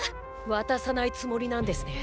渡さないつもりなんですね